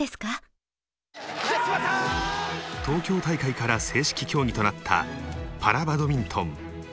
東京大会から正式競技となったパラバドミントン。